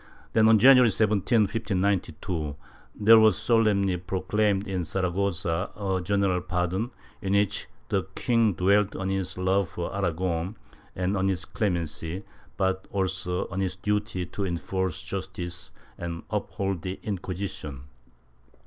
Then, on Jan uary 17, 1592, there was solemnly proclaimed in Saragossa a general pardon, in which the king dwelt on his love for Aragon and on his clemency, but also on his duty to enforce justice and uphold the Inquisition.